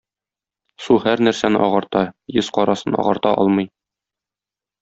Су һәр нәрсәне агарта, йөз карасын агарта алмый.